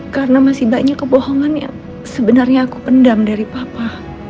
karena masih banyak kebohongan yang sebenarnya aku pendam dari papa